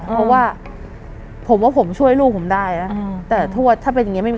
เพราะว่าผมว่าผมช่วยลูกผมได้นะแต่ทวดถ้าเป็นอย่างนี้ไม่มี